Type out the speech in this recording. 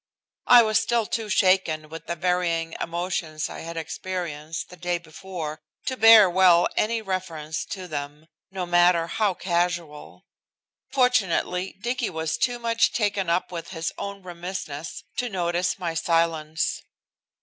I was still too shaken with the varying emotions I had experienced the day before to bear well any reference to them, no matter how casual. Fortunately, Dicky was too much taken up with his own remissness to notice my silence.